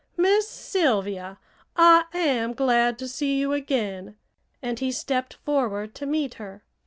"Miss Sylvia, I am glad to see you again," and he stepped forward to meet her.